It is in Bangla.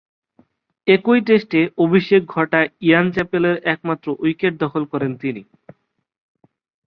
একই টেস্টে অভিষেক ঘটা ইয়ান চ্যাপেলের একমাত্র উইকেট দখল করেন তিনি।